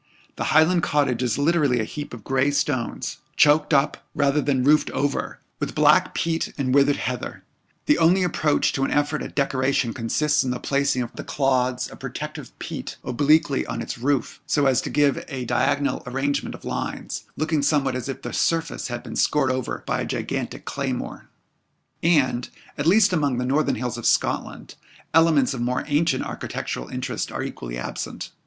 The Highland cottage is literally a heap of gray stones, choked up, rather than roofed over, with black peat and withered heather; the only approach to an effort at decoration consists in the placing of the clods of protective peat obliquely on its roof, so as to give a diagonal arrangement of lines, looking somewhat as if the surface had been scored over by a gigantic claymore. And, at least among the northern hills of Scotland, elements of more ancient architectural interest are equally absent.